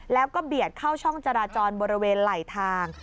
แล้วก็เบียดเข้าช่องจราจรบริเวณไหลทาง